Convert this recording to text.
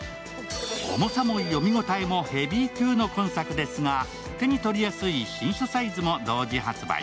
重さも読み応えもヘビー級の今作ですが手に取りやすい新書サイズも同時発売。